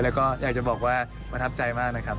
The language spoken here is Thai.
แล้วก็อยากจะบอกว่าประทับใจมากนะครับ